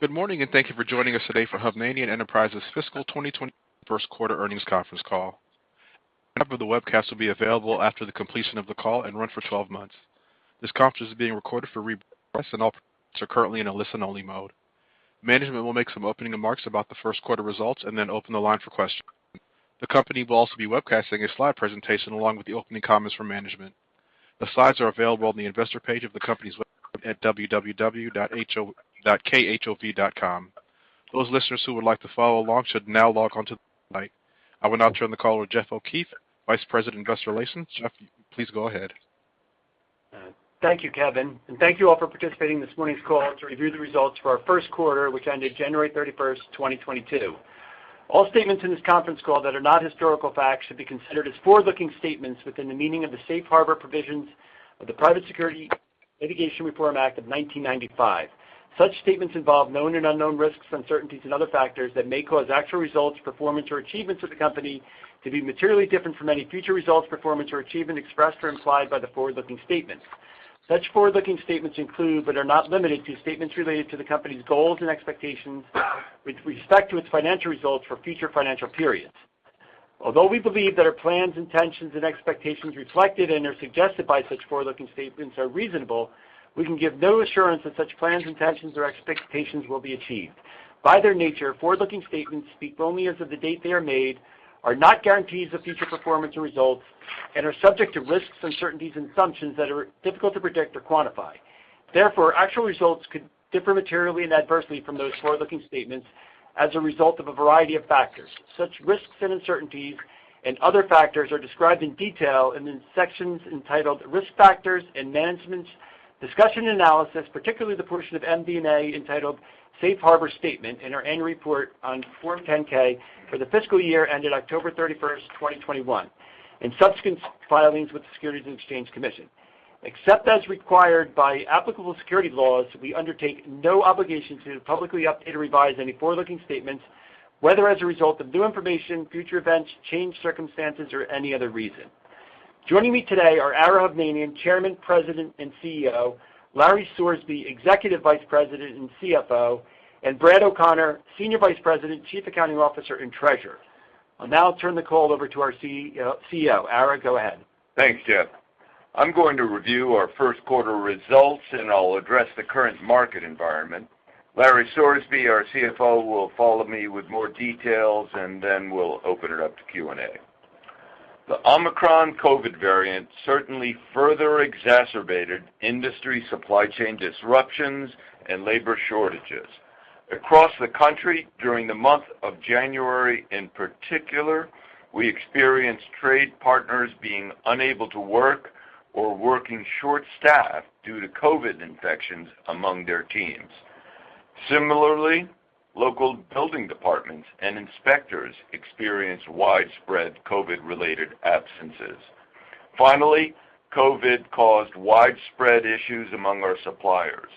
Good morning, and thank you for joining us today for Hovnanian Enterprises Fiscal 2021 First Quarter Earnings Conference Call. A copy of the webcast will be available after the completion of the call and run for 12 months. This conference is being recorded for replay, and all participants are currently in a listen-only mode. Management will make some opening remarks about the first quarter results and then open the line for questions. The company will also be webcasting a slide presentation along with the opening comments from management. The slides are available on the investor page of the company's website at www.khov.com. Those listeners who would like to follow along should now log on to the site. I will now turn the call to Jeff O'Keefe, Vice President, Investor Relations. Jeff, please go ahead. Thank you, Kevin, and thank you all for participating in this morning's call to review the results for our first quarter, which ended January 31, 2022. All statements in this conference call that are not historical facts should be considered as forward-looking statements within the meaning of the Safe Harbor Provisions of the Private Securities Litigation Reform Act of 1995. Such statements involve known and unknown risks, uncertainties and other factors that may cause actual results, performance or achievements of the company to be materially different from any future results, performance or achievement expressed or implied by the forward-looking statements. Such forward-looking statements include, but are not limited to, statements related to the company's goals and expectations with respect to its financial results for future financial periods. Although we believe that our plans, intentions and expectations reflected in and suggested by such forward-looking statements are reasonable, we can give no assurance that such plans, intentions or expectations will be achieved. By their nature, forward-looking statements speak only as of the date they are made, are not guarantees of future performance or results, and are subject to risks, uncertainties and assumptions that are difficult to predict or quantify. Therefore, actual results could differ materially and adversely from those forward-looking statements as a result of a variety of factors. Such risks and uncertainties and other factors are described in detail in the sections entitled Risk Factors and Management's Discussion and Analysis, particularly the portion of MD&A entitled Safe Harbor Statement in our annual report on Form 10-K for the fiscal year ended October 31, 2021, and subsequent filings with the Securities and Exchange Commission. Except as required by applicable securities laws, we undertake no obligation to publicly update or revise any forward-looking statements, whether as a result of new information, future events, changed circumstances, or any other reason. Joining me today are Ara Hovnanian, Chairman, President and CEO, Larry Sorsby, Executive Vice President and CFO, and Brad O'Connor, Senior Vice President, Chief Accounting Officer, and Treasurer. I'll now turn the call over to our CEO. Ara, go ahead. Thanks, Jeff. I'm going to review our first quarter results, and I'll address the current market environment. Larry Sorsby, our CFO, will follow me with more details, and then we'll open it up to Q&A. The Omicron COVID variant certainly further exacerbated industry supply chain disruptions and labor shortages. Across the country during the month of January in particular, we experienced trade partners being unable to work or working short-staffed due to COVID infections among their teams. Similarly, local building departments and inspectors experienced widespread COVID-related absences. Finally, COVID caused widespread issues among our suppliers.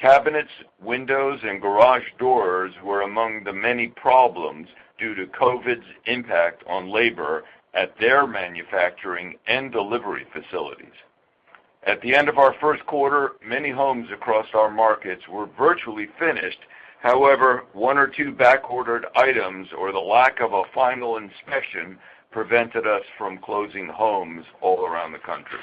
Cabinets, windows, and garage doors were among the many problems due to COVID's impact on labor at their manufacturing and delivery facilities. At the end of our first quarter, many homes across our markets were virtually finished. However, one or two back-ordered items or the lack of a final inspection prevented us from closing homes all around the country.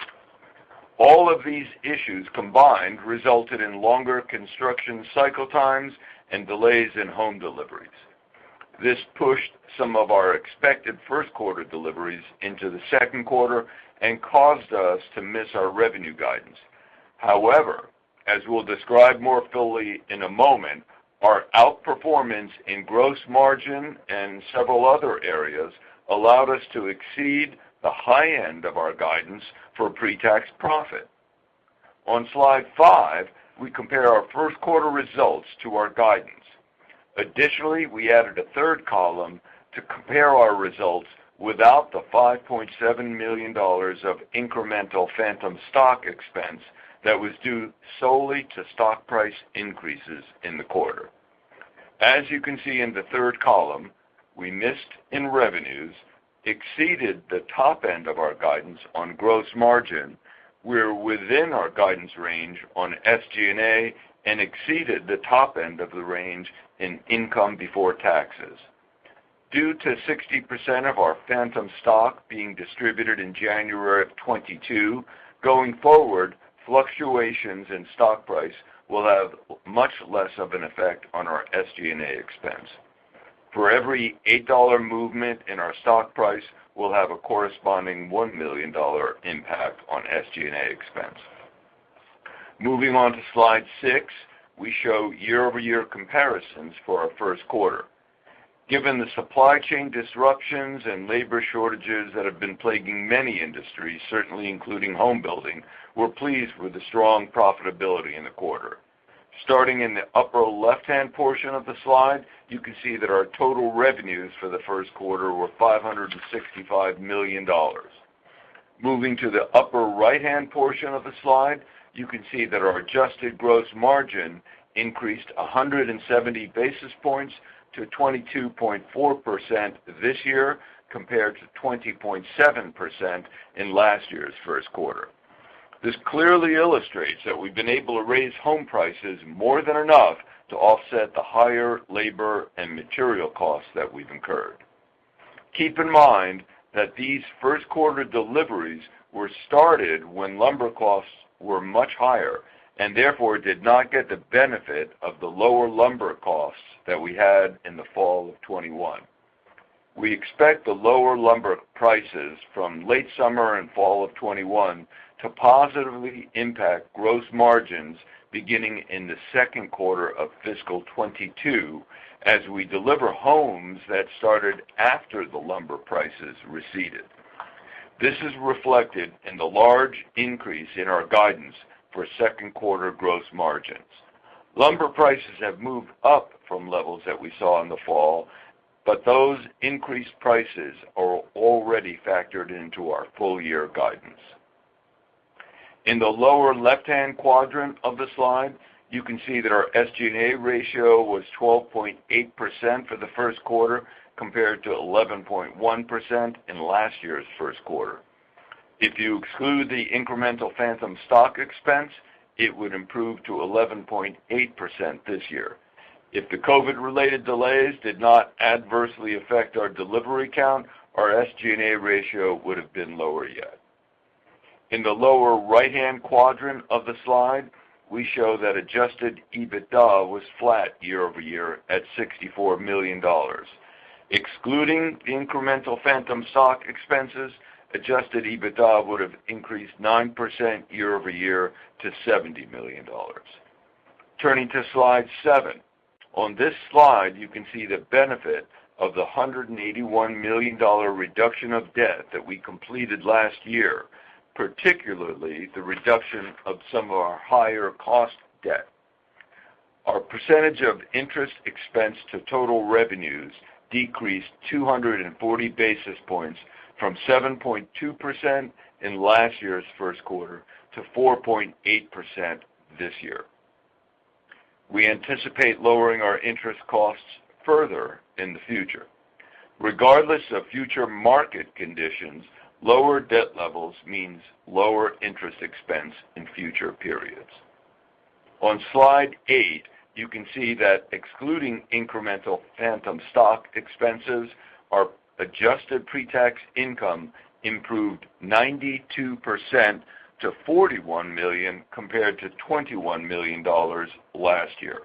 All of these issues combined resulted in longer construction cycle times and delays in home deliveries. This pushed some of our expected first quarter deliveries into the second quarter and caused us to miss our revenue guidance. However, as we'll describe more fully in a moment, our outperformance in gross margin and several other areas allowed us to exceed the high end of our guidance for pre-tax profit. On slide 5, we compare our first quarter results to our guidance. Additionally, we added a third column to compare our results without the $5.7 million of incremental phantom stock expense that was due solely to stock price increases in the quarter. As you can see in the third column, we missed in revenues, exceeded the top end of our guidance on gross margin. We're within our guidance range on SG&A and exceeded the top end of the range in income before taxes. Due to 60% of our phantom stock being distributed in January 2022, going forward, fluctuations in stock price will have much less of an effect on our SG&A expense. For every $8 movement in our stock price will have a corresponding $1 million impact on SG&A expense. Moving on to slide 6, we show year-over-year comparisons for our first quarter. Given the supply chain disruptions and labor shortages that have been plaguing many industries, certainly including home building, we're pleased with the strong profitability in the quarter. Starting in the upper left-hand portion of the slide, you can see that our total revenues for the first quarter were $565 million. Moving to the upper right-hand portion of the slide, you can see that our adjusted gross margin increased 170 basis points to 22.4% this year compared to 20.7% in last year's first quarter. This clearly illustrates that we've been able to raise home prices more than enough to offset the higher labor and material costs that we've incurred. Keep in mind that these first quarter deliveries were started when lumber costs were much higher, and therefore did not get the benefit of the lower lumber costs that we had in the fall of 2021. We expect the lower lumber prices from late summer and fall of 2021 to positively impact gross margins beginning in the second quarter of fiscal 2022 as we deliver homes that started after the lumber prices receded. This is reflected in the large increase in our guidance for second quarter gross margins. Lumber prices have moved up from levels that we saw in the fall, but those increased prices are already factored into our full year guidance. In the lower left-hand quadrant of the slide, you can see that our SG&A ratio was 12.8% for the first quarter compared to 11.1% in last year's first quarter. If you exclude the incremental phantom stock expense, it would improve to 11.8% this year. If the COVID-related delays did not adversely affect our delivery count, our SG&A ratio would have been lower yet. In the lower right-hand quadrant of the slide, we show that adjusted EBITDA was flat year-over-year at $64 million. Excluding the incremental phantom stock expenses, adjusted EBITDA would have increased 9% year-over-year to $70 million. Turning to slide 7. On this slide, you can see the benefit of the $181 million reduction of debt that we completed last year, particularly the reduction of some of our higher cost debt. Our percentage of interest expense to total revenues decreased 240 basis points from 7.2% in last year's first quarter to 4.8% this year. We anticipate lowering our interest costs further in the future. Regardless of future market conditions, lower debt levels means lower interest expense in future periods. On slide 8, you can see that excluding incremental phantom stock expenses, our adjusted pretax income improved 92% to $41 million compared to $21 million last year.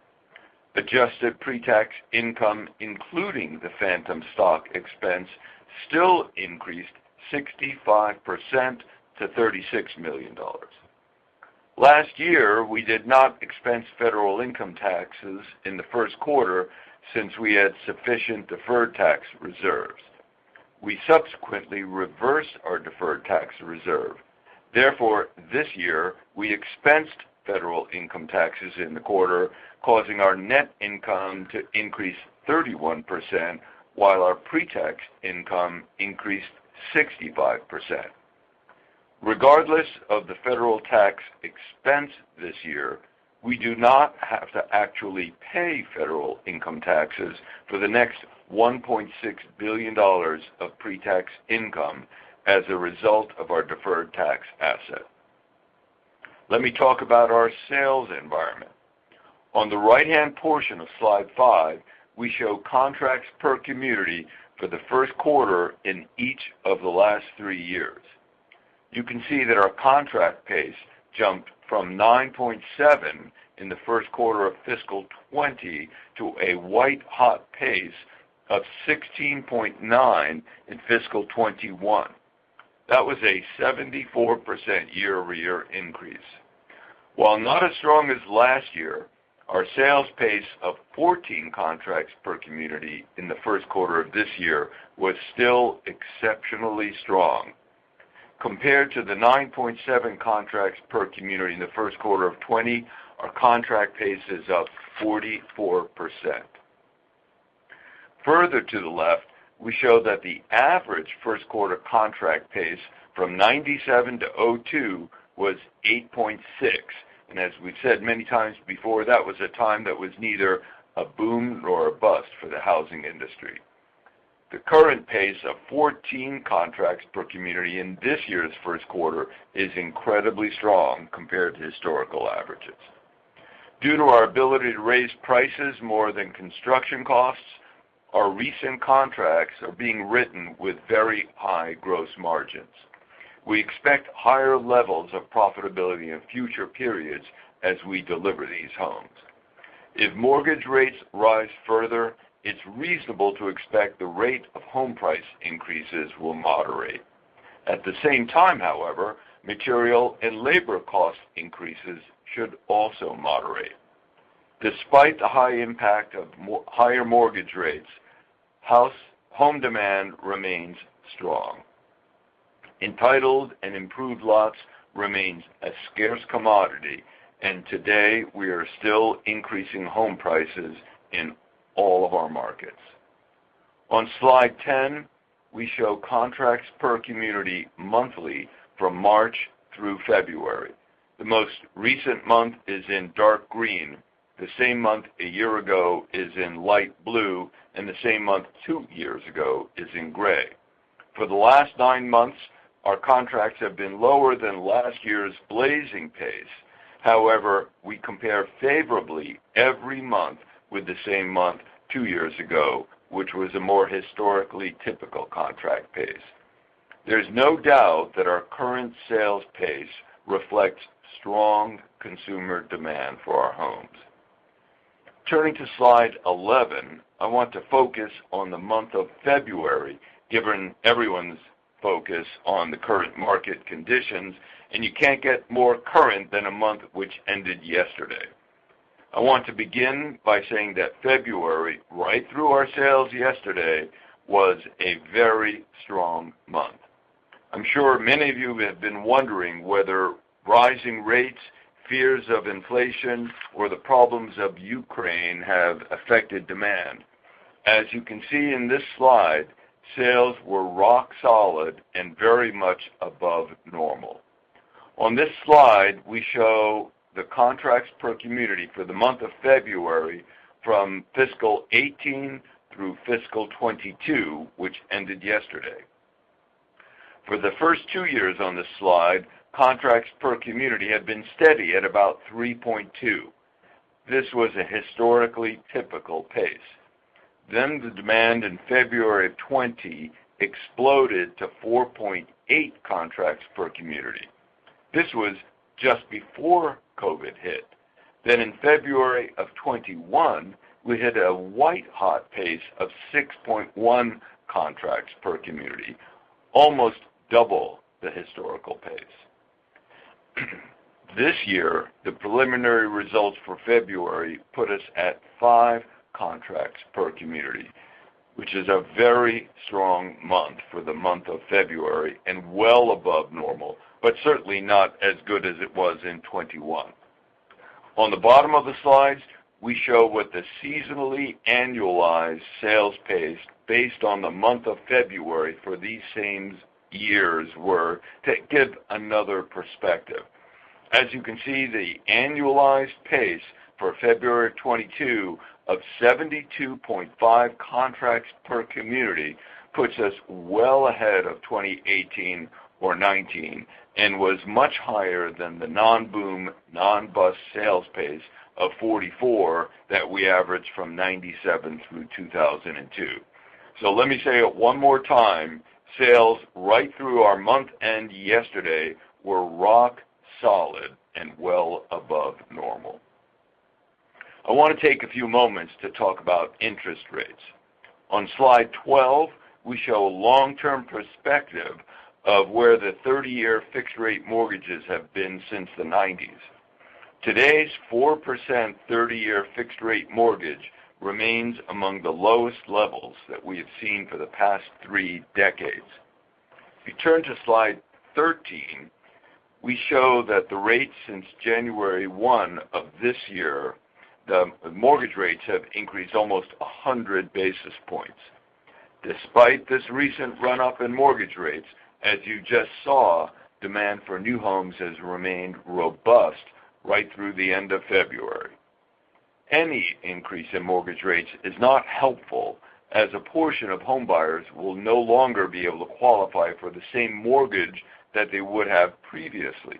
Adjusted pretax income, including the phantom stock expense, still increased 65% to $36 million. Last year, we did not expense federal income taxes in the first quarter since we had sufficient deferred tax reserves. We subsequently reversed our deferred tax reserve. Therefore, this year, we expensed federal income taxes in the quarter, causing our net income to increase 31%, while our pretax income increased 65%. Regardless of the federal tax expense this year, we do not have to actually pay federal income taxes for the next $1.6 billion of pretax income as a result of our deferred tax asset. Let me talk about our sales environment. On the right-hand portion of slide 5, we show contracts per community for the first quarter in each of the last three years. You can see that our contract pace jumped from 9.7 in the first quarter of fiscal 2020 to a white-hot pace of 16.9 in fiscal 2021. That was a 74% year-over-year increase. While not as strong as last year, our sales pace of 14 contracts per community in the first quarter of this year was still exceptionally strong. Compared to the 9.7 contracts per community in the first quarter of 2020, our contract pace is up 44%. Further to the left, we show that the average first quarter contract pace from 1997 to 2002 was 8.6. We've said many times before, that was a time that was neither a boom nor a bust for the housing industry. The current pace of 14 contracts per community in this year's first quarter is incredibly strong compared to historical averages. Due to our ability to raise prices more than construction costs, our recent contracts are being written with very high gross margins. We expect higher levels of profitability in future periods as we deliver these homes. If mortgage rates rise further, it's reasonable to expect the rate of home price increases will moderate. At the same time, however, material and labor cost increases should also moderate. Despite the high impact of higher mortgage rates, home demand remains strong. Entitled and improved lots remains a scarce commodity, and today we are still increasing home prices in all of our markets. On slide 10, we show contracts per community monthly from March through February. The most recent month is in dark green. The same month a year ago is in light blue, and the same month 2 years ago is in gray. For the last 9 months, our contracts have been lower than last year's blazing pace. However, we compare favorably every month with the same month 2 years ago, which was a more historically typical contract pace. There's no doubt that our current sales pace reflects strong consumer demand for our homes. Turning to slide 11, I want to focus on the month of February, given everyone's focus on the current market conditions, and you can't get more current than a month which ended yesterday. I want to begin by saying that February, right through our sales yesterday, was a very strong month. I'm sure many of you have been wondering whether rising rates, fears of inflation, or the problems of Ukraine have affected demand. As you can see in this slide, sales were rock solid and very much above normal. On this slide, we show the contracts per community for the month of February from fiscal 2018 through fiscal 2022, which ended yesterday. For the first two years on this slide, contracts per community had been steady at about 3.2. This was a historically typical pace. The demand in February of 2020 exploded to 4.8 contracts per community. This was just before COVID hit. In February of 2021, we hit a white-hot pace of 6.1 contracts per community, almost double the historical pace. This year, the preliminary results for February put us at 5 contracts per community, which is a very strong month for the month of February and well above normal, but certainly not as good as it was in 2021. On the bottom of the slides, we show what the seasonally annualized sales pace based on the month of February for these same years were to give another perspective. As you can see, the annualized pace for February 2022 of 72.5 contracts per community puts us well ahead of 2018 or 2019 and was much higher than the non-boom, non-bust sales pace of 44 that we averaged from 1997 through 2002. Let me say it one more time. Sales right through our month end yesterday were rock solid and well above normal. I want to take a few moments to talk about interest rates. On slide 12, we show a long-term perspective of where the 30-year fixed-rate mortgages have been since the nineties. Today's 4% 30-year fixed-rate mortgage remains among the lowest levels that we have seen for the past 3 decades. If you turn to slide 13, we show that the rates since January 1 of this year, the mortgage rates have increased almost 100 basis points. Despite this recent run-up in mortgage rates, as you just saw, demand for new homes has remained robust right through the end of February. Any increase in mortgage rates is not helpful as a portion of home buyers will no longer be able to qualify for the same mortgage that they would have previously.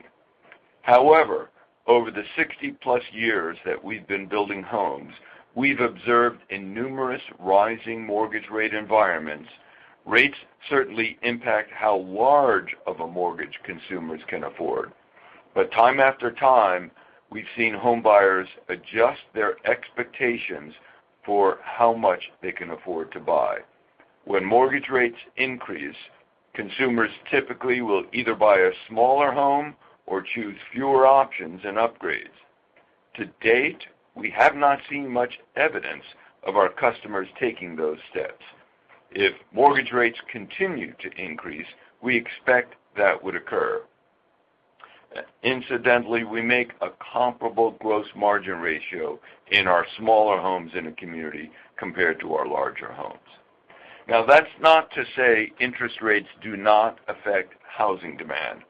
However, over the 60-plus years that we've been building homes, we've observed in numerous rising mortgage rate environments, rates certainly impact how large of a mortgage consumers can afford. Time after time, we've seen home buyers adjust their expectations for how much they can afford to buy. When mortgage rates increase, consumers typically will either buy a smaller home or choose fewer options and upgrades. To date, we have not seen much evidence of our customers taking those steps. If mortgage rates continue to increase, we expect that would occur. Incidentally, we make a comparable gross margin ratio in our smaller homes in a community compared to our larger homes. Now, that's not to say interest rates do not affect housing demand.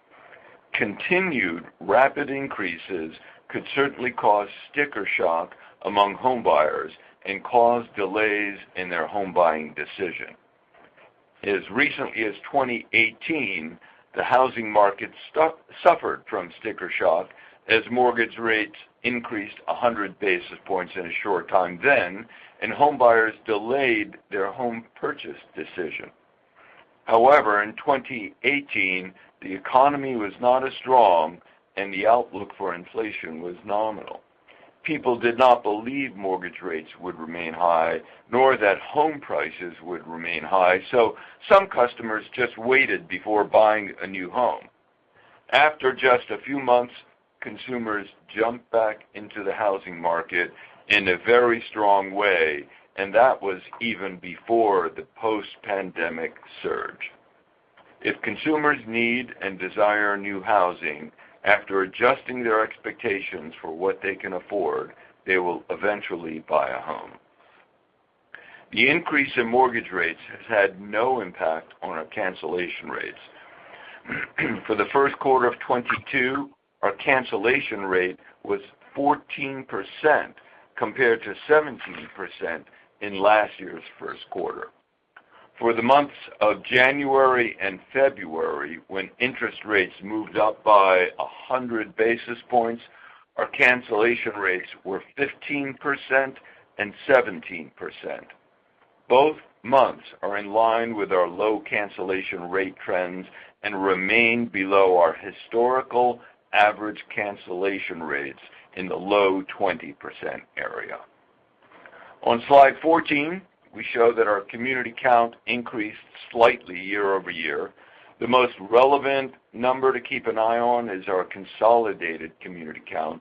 Continued rapid increases could certainly cause sticker shock among home buyers and cause delays in their home buying decision. As recently as 2018, the housing market suffered from sticker shock as mortgage rates increased 100 basis points in a short time then, and home buyers delayed their home purchase decision. However, in 2018, the economy was not as strong and the outlook for inflation was nominal. People did not believe mortgage rates would remain high, nor that home prices would remain high, so some customers just waited before buying a new home. After just a few months, consumers jumped back into the housing market in a very strong way, and that was even before the post-pandemic surge. If consumers need and desire new housing after adjusting their expectations for what they can afford, they will eventually buy a home. The increase in mortgage rates has had no impact on our cancellation rates. For the first quarter of 2022, our cancellation rate was 14% compared to 17% in last year's first quarter. For the months of January and February, when interest rates moved up by 100 basis points, our cancellation rates were 15% and 17%. Both months are in line with our low cancellation rate trends and remain below our historical average cancellation rates in the low 20% area. On slide 14, we show that our community count increased slightly year-over-year. The most relevant number to keep an eye on is our consolidated community count,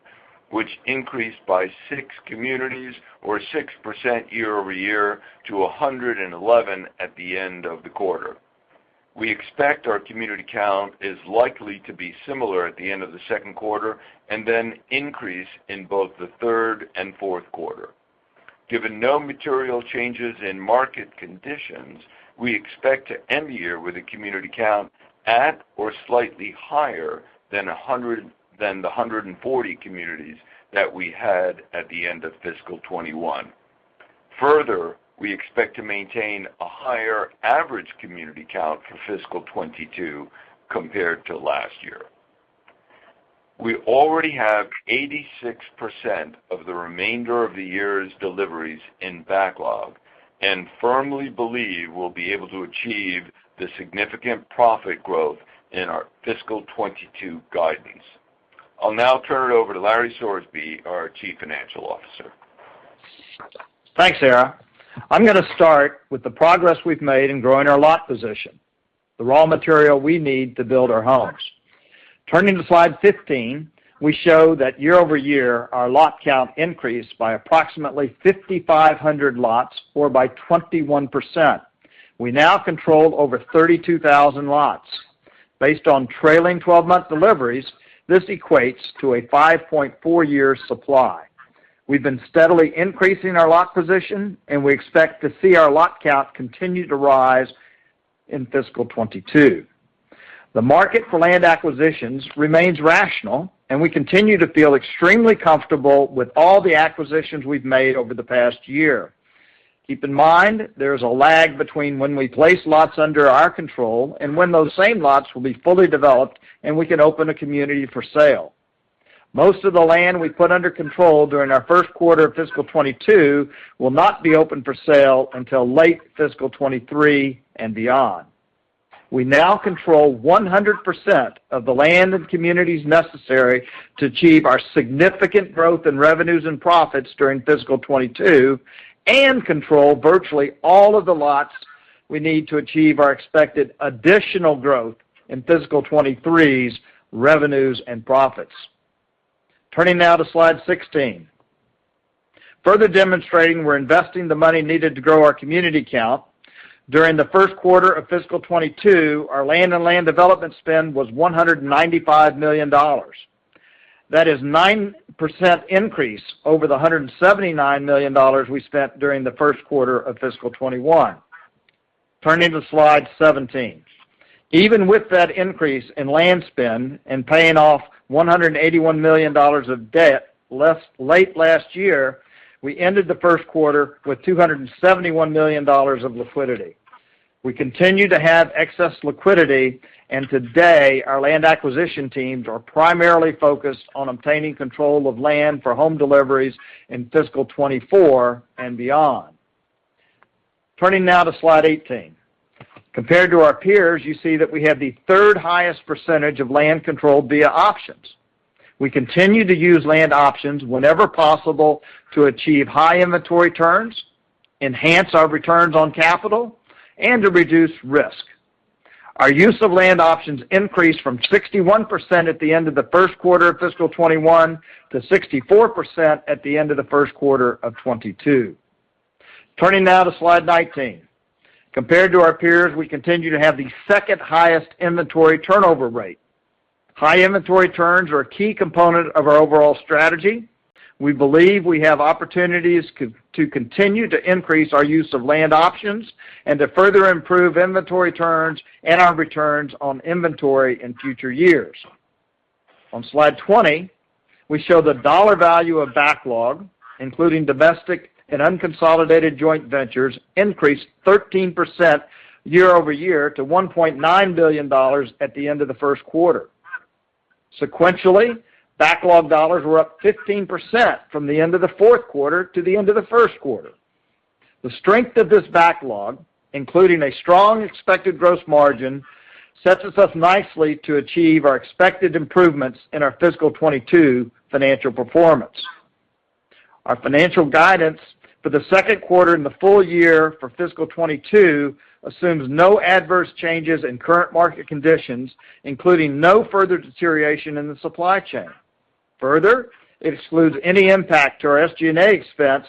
which increased by 6 communities or 6% year-over-year to 111 at the end of the quarter. We expect our community count is likely to be similar at the end of the second quarter and then increase in both the third and fourth quarter. Given no material changes in market conditions, we expect to end the year with a community count at or slightly higher than the 140 communities that we had at the end of fiscal 2021. Further, we expect to maintain a higher average community count for fiscal 2022 compared to last year. We already have 86% of the remainder of the year's deliveries in backlog and firmly believe we'll be able to achieve the significant profit growth in our fiscal 2022 guidance. I'll now turn it over to Larry Sorsby, our Chief Financial Officer. Thanks, Ara. I'm going to start with the progress we've made in growing our lot position, the raw material we need to build our homes. Turning to slide 15, we show that year-over-year, our lot count increased by approximately 5,500 lots or by 21%. We now control over 32,000 lots. Based on trailing twelve-month deliveries, this equates to a 5.4-year supply. We've been steadily increasing our lot position, and we expect to see our lot count continue to rise in fiscal 2022. The market for land acquisitions remains rational, and we continue to feel extremely comfortable with all the acquisitions we've made over the past year. Keep in mind there's a lag between when we place lots under our control and when those same lots will be fully developed, and we can open a community for sale. Most of the land we put under control during our first quarter of fiscal 2022 will not be open for sale until late fiscal 2023 and beyond. We now control 100% of the land and communities necessary to achieve our significant growth in revenues and profits during fiscal 2022 and control virtually all of the lots we need to achieve our expected additional growth in fiscal 2023's revenues and profits. Turning now to slide 16. Further demonstrating we're investing the money needed to grow our community count, during the first quarter of fiscal 2022, our land and land development spend was $195 million. That is 9% increase over the $179 million we spent during the first quarter of fiscal 2021. Turning to slide 17. Even with that increase in land spend and paying off $181 million of debt last year, we ended the first quarter with $271 million of liquidity. We continue to have excess liquidity, and today, our land acquisition teams are primarily focused on obtaining control of land for home deliveries in fiscal 2024 and beyond. Turning now to slide 18. Compared to our peers, you see that we have the third highest percentage of land controlled via options. We continue to use land options whenever possible to achieve high inventory turns, enhance our returns on capital, and to reduce risk. Our use of land options increased from 61% at the end of the first quarter of fiscal 2021 to 64% at the end of the first quarter of 2022. Turning now to slide 19. Compared to our peers, we continue to have the second highest inventory turnover rate. High inventory turns are a key component of our overall strategy. We believe we have opportunities to continue to increase our use of land options and to further improve inventory turns and our returns on inventory in future years. On slide 20, we show the dollar value of backlog, including domestic and unconsolidated joint ventures, increased 13% year-over-year to $1.9 billion at the end of the first quarter. Sequentially, backlog dollars were up 15% from the end of the fourth quarter to the end of the first quarter. The strength of this backlog, including a strong expected gross margin, sets us up nicely to achieve our expected improvements in our fiscal 2022 financial performance. Our financial guidance for the second quarter and the full year for fiscal 2022 assumes no adverse changes in current market conditions, including no further deterioration in the supply chain. Further, it excludes any impact to our SG&A expense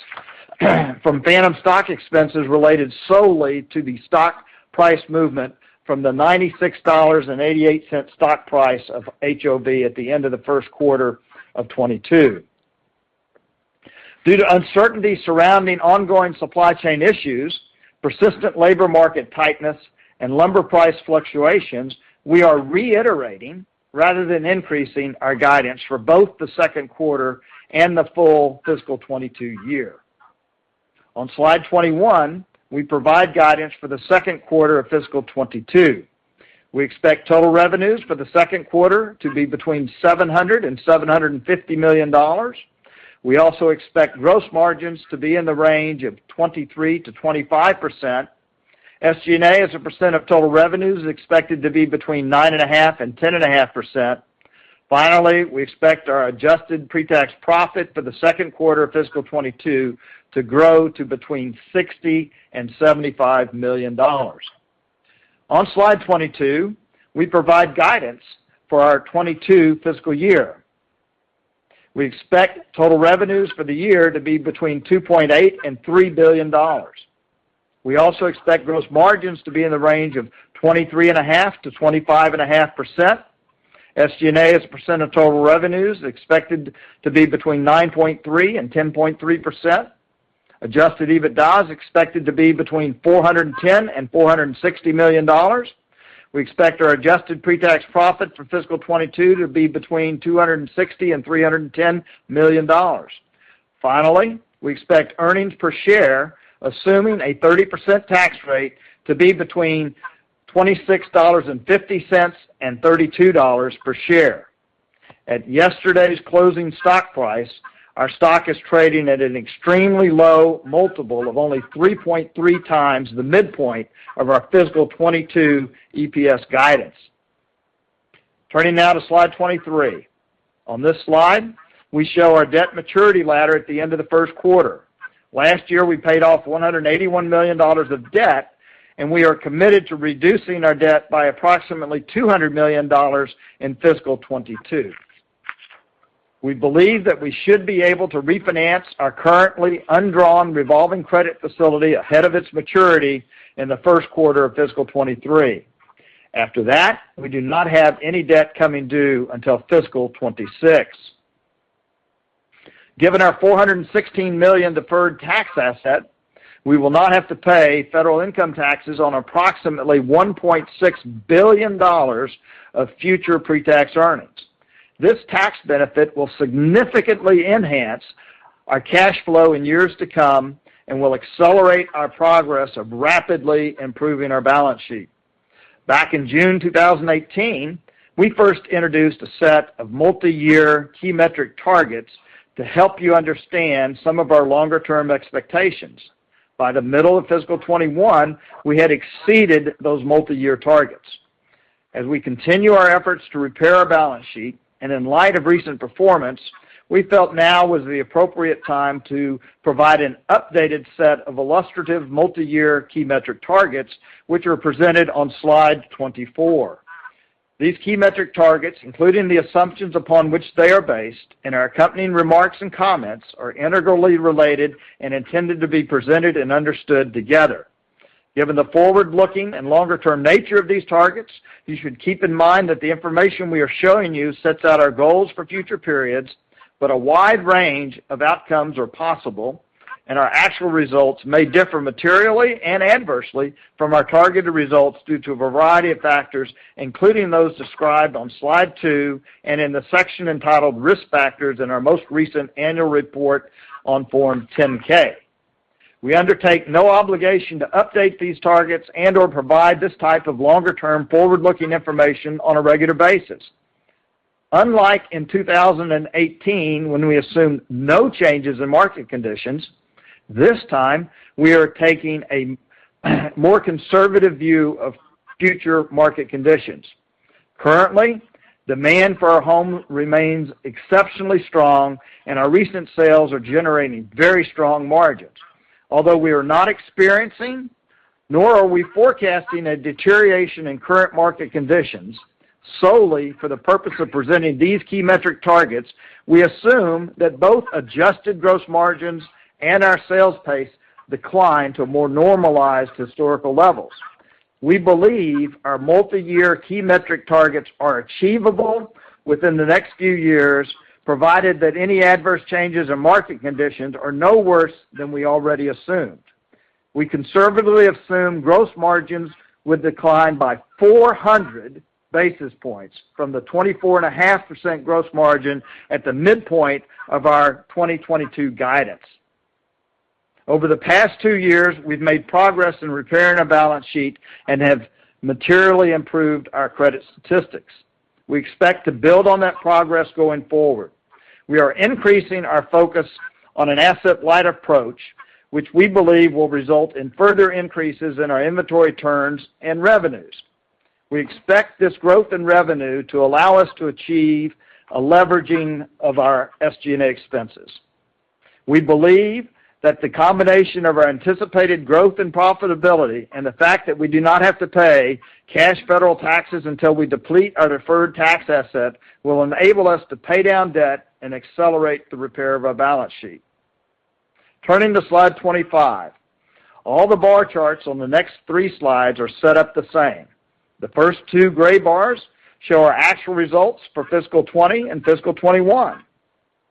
from phantom stock expenses related solely to the stock price movement from the $96.88 stock price of HOV at the end of the first quarter of 2022. Due to uncertainty surrounding ongoing supply chain issues, persistent labor market tightness, and lumber price fluctuations, we are reiterating rather than increasing our guidance for both the second quarter and the full fiscal 2022 year. On slide 21, we provide guidance for the second quarter of fiscal 2022. We expect total revenues for the second quarter to be between $700 million and $750 million. We also expect gross margins to be in the range of 23%-25%. SG&A, as a percent of total revenue, is expected to be between 9.5% and 10.5%. Finally, we expect our adjusted pre-tax profit for the second quarter of fiscal 2022 to grow to between $60 million and $75 million. On slide 22, we provide guidance for our fiscal 2022. We expect total revenues for the year to be between $2.8 billion and $3 billion. We also expect gross margins to be in the range of 23.5%-25.5%. SG&A, as a percent of total revenues, is expected to be between 9.3% and 10.3%. Adjusted EBITDA is expected to be between $410 million and $460 million. We expect our adjusted pre-tax profit for fiscal 2022 to be between $260 million and $310 million. Finally, we expect earnings per share, assuming a 30% tax rate, to be between $26.50 and $32 per share. At yesterday's closing stock price, our stock is trading at an extremely low multiple of only 3.3x the midpoint of our fiscal 2022 EPS guidance. Turning now to slide 23. On this slide, we show our debt maturity ladder at the end of the first quarter. Last year, we paid off $181 million of debt, and we are committed to reducing our debt by approximately $200 million in fiscal 2022. We believe that we should be able to refinance our currently undrawn revolving credit facility ahead of its maturity in the first quarter of fiscal 2023. After that, we do not have any debt coming due until fiscal 2026. Given our $416 million deferred tax asset, we will not have to pay federal income taxes on approximately $1.6 billion of future pre-tax earnings. This tax benefit will significantly enhance our cash flow in years to come and will accelerate our progress of rapidly improving our balance sheet. Back in June 2018, we first introduced a set of multiyear key metric targets to help you understand some of our longer-term expectations. By the middle of fiscal 2021, we had exceeded those multiyear targets. As we continue our efforts to repair our balance sheet, and in light of recent performance, we felt now was the appropriate time to provide an updated set of illustrative multiyear key metric targets, which are presented on slide 24. These key metric targets, including the assumptions upon which they are based, and our accompanying remarks and comments, are integrally related and intended to be presented and understood together. Given the forward-looking and longer-term nature of these targets, you should keep in mind that the information we are showing you sets out our goals for future periods, but a wide range of outcomes are possible, and our actual results may differ materially and adversely from our targeted results due to a variety of factors, including those described on slide 2 and in the section entitled Risk Factors in our most recent annual report on Form 10-K. We undertake no obligation to update these targets and/or provide this type of longer-term, forward-looking information on a regular basis. Unlike in 2018, when we assumed no changes in market conditions, this time we are taking a more conservative view of future market conditions. Currently, demand for our home remains exceptionally strong, and our recent sales are generating very strong margins. Although we are not experiencing nor are we forecasting a deterioration in current market conditions, solely for the purpose of presenting these key metric targets, we assume that both adjusted gross margins and our sales pace decline to more normalized historical levels. We believe our multiyear key metric targets are achievable within the next few years, provided that any adverse changes in market conditions are no worse than we already assumed. We conservatively assume gross margins would decline by 400 basis points from the 24.5% gross margin at the midpoint of our 2022 guidance. Over the past 2 years, we've made progress in repairing our balance sheet and have materially improved our credit statistics. We expect to build on that progress going forward. We are increasing our focus on an asset-light approach, which we believe will result in further increases in our inventory turns and revenues. We expect this growth in revenue to allow us to achieve a leveraging of our SG&A expenses. We believe that the combination of our anticipated growth and profitability, and the fact that we do not have to pay cash federal taxes until we deplete our deferred tax asset, will enable us to pay down debt and accelerate the repair of our balance sheet. Turning to slide 25. All the bar charts on the next three slides are set up the same. The first two gray bars show our actual results for fiscal 2020 and fiscal 2021.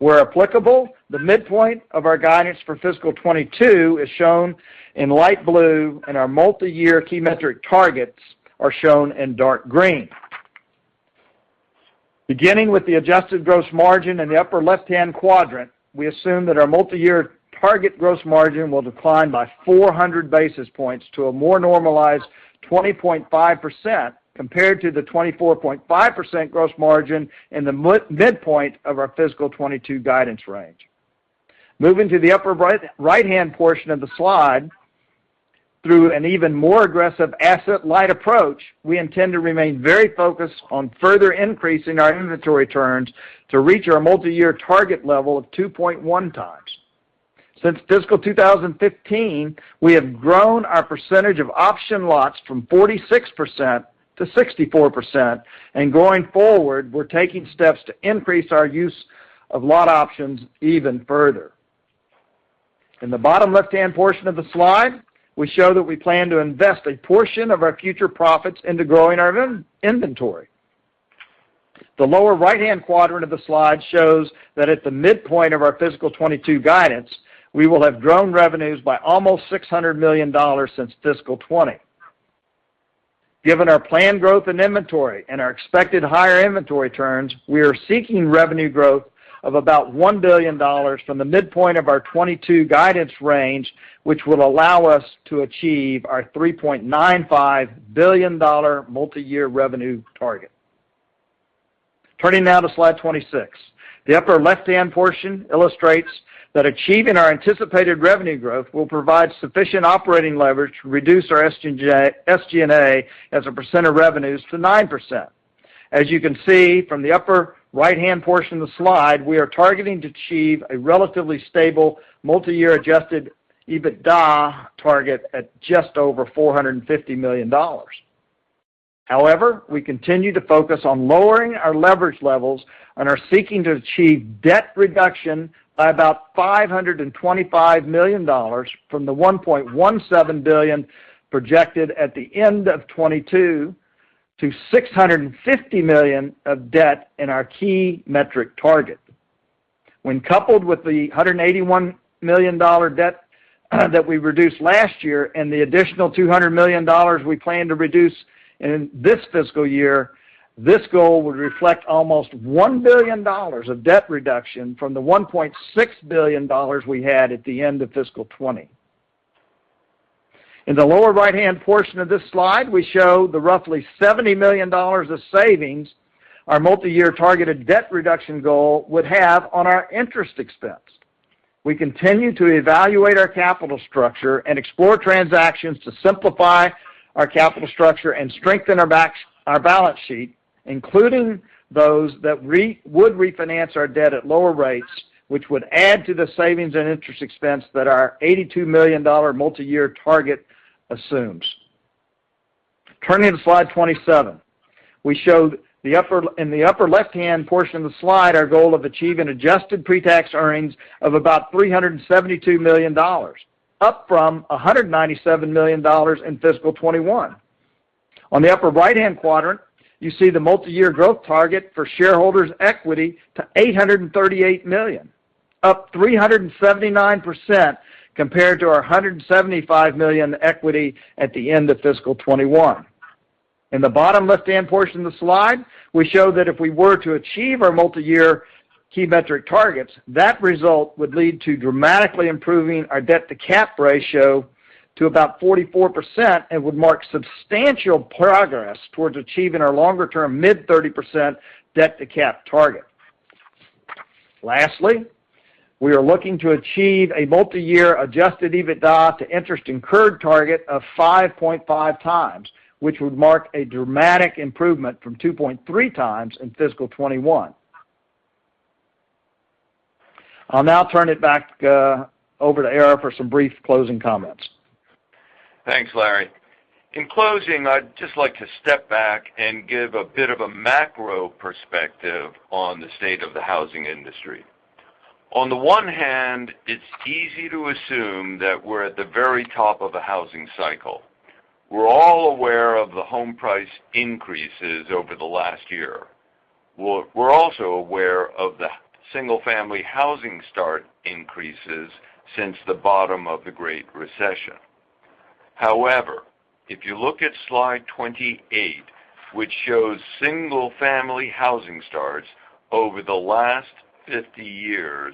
Where applicable, the midpoint of our guidance for fiscal 2022 is shown in light blue, and our multiyear key metric targets are shown in dark green. Beginning with the adjusted gross margin in the upper left-hand quadrant, we assume that our multiyear target gross margin will decline by 400 basis points to a more normalized 20.5% compared to the 24.5% gross margin in the midpoint of our fiscal 2022 guidance range. Moving to the upper right-hand portion of the slide, through an even more aggressive asset-light approach, we intend to remain very focused on further increasing our inventory turns to reach our multiyear target level of 2.1 times. Since fiscal 2015, we have grown our percentage of option lots from 46% to 64%, and going forward, we're taking steps to increase our use of lot options even further. In the bottom left-hand portion of the slide, we show that we plan to invest a portion of our future profits into growing our in-inventory. The lower right-hand quadrant of the slide shows that at the midpoint of our fiscal 2022 guidance, we will have grown revenues by almost $600 million since fiscal 2020. Given our planned growth in inventory and our expected higher inventory turns, we are seeking revenue growth of about $1 billion from the midpoint of our 2022 guidance range, which will allow us to achieve our $3.95 billion multiyear revenue target. Turning now to slide 26. The upper left-hand portion illustrates that achieving our anticipated revenue growth will provide sufficient operating leverage to reduce our SG&A, SG&A as a percent of revenues to 9%. As you can see from the upper right-hand portion of the slide, we are targeting to achieve a relatively stable multiyear adjusted EBITDA target at just over $450 million. However, we continue to focus on lowering our leverage levels and are seeking to achieve debt reduction by about $525 million from the $1.17 billion projected at the end of 2022 to $650 million of debt in our key metric target. When coupled with the $181 million debt that we reduced last year and the additional $200 million we plan to reduce in this fiscal year, this goal would reflect almost $1 billion of debt reduction from the $1.6 billion we had at the end of fiscal 2020. In the lower right-hand portion of this slide, we show the roughly $70 million of savings our multiyear targeted debt reduction goal would have on our interest expense. We continue to evaluate our capital structure and explore transactions to simplify our capital structure and strengthen our balance sheet, including those that would refinance our debt at lower rates, which would add to the savings in interest expense that our $82 million multiyear target assumes. Turning to slide 27. We show In the upper left-hand portion of the slide our goal of achieving adjusted pre-tax earnings of about $372 million, up from $197 million in fiscal 2021. On the upper right-hand quadrant, you see the multiyear growth target for shareholders equity to $838 million, up 379% compared to our $175 million equity at the end of fiscal 2021. In the bottom left-hand portion of the slide, we show that if we were to achieve our multiyear key metric targets, that result would lead to dramatically improving our debt-to-cap ratio to about 44% and would mark substantial progress towards achieving our longer-term mid-30% debt-to-cap target. Lastly, we are looking to achieve a multiyear adjusted EBITDA to interest incurred target of 5.5 times, which would mark a dramatic improvement from 2.3 times in fiscal 2021. I'll now turn it back over to Ara for some brief closing comments. Thanks, Larry. In closing, I'd just like to step back and give a bit of a macro perspective on the state of the housing industry. On the one hand, it's easy to assume that we're at the very top of a housing cycle. We're all aware of the home price increases over the last year. We're also aware of the single-family housing start increases since the bottom of the Great Recession. However, if you look at slide 28, which shows single-family housing starts over the last 50 years,